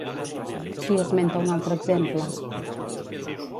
Qui esmenta un altre exemple?